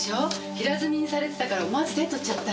平積みにされてたから思わず手に取っちゃった。